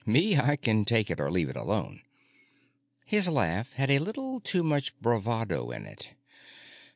Me, I can take it or leave it alone." His laugh had a little too much bravado in it.